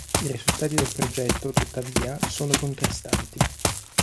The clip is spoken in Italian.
I risultati del progetto, tuttavia, sono contrastanti.